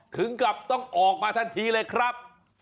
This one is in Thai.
ถึงกับต้องออกมาทันทีเลยครับ